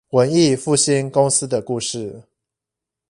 文藝復興公司的故事